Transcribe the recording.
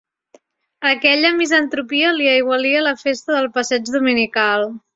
Aquella misantropia li aigualia la festa del passeig dominical.